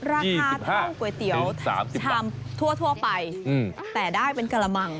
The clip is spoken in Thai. ราคาเท่าก๋วยเตี๋ยวชามทั่วไปแต่ได้เป็นกระมัง